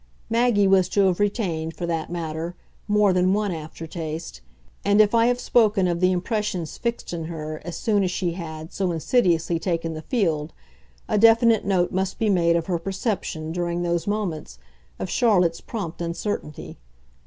Maggie was to have retained, for that matter, more than one aftertaste, and if I have spoken of the impressions fixed in her as soon as she had, so insidiously, taken the field, a definite note must be made of her perception, during those moments, of Charlotte's prompt uncertainty.